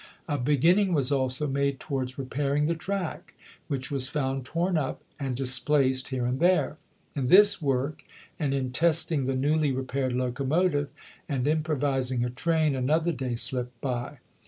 A beginning was also made towards repairing the track, which was found torn up and displaced here and there. In this work, and in testing the newly repaired locomotive and improvising a train, an other day slipped by.